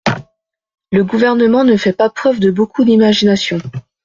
Le Gouvernement ne fait pas preuve de beaucoup d’imagination.